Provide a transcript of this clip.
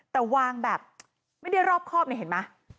แต่วางแบบไม่ได้รอบครอบนี่เห็นไหม